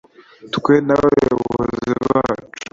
twe n’abayobozi bacu